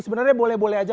sebenarnya boleh boleh aja